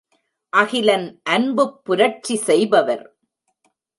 அகிலன் அன்புப்புரட்சி செய்பவர்.